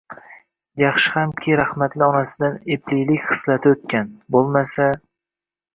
Yaxshi hamki rahmatli onasidan eplilik xislati o`tgan, bo`lmasa